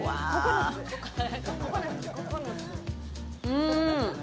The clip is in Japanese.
うん！